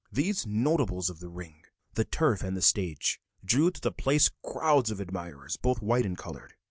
These notables of the ring, the turf, and the stage, drew to the place crowds of admirers, both white and colored.